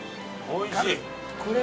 ◆おいしい！